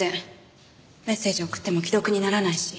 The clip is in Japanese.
メッセージ送っても既読にならないし。